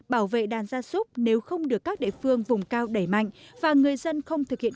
bảo vệ đàn gia súc nếu không được các địa phương vùng cao đẩy mạnh và người dân không thực hiện